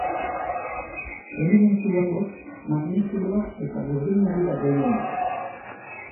Elementu hauek magnesioa eta burdina dira gehienbat.